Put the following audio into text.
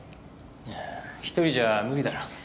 いや１人じゃあ無理だろう。